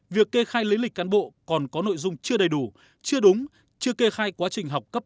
việc kê khai lý lịch cán bộ còn có nội dung chưa đầy đủ chưa đúng chưa kê khai quá trình học cấp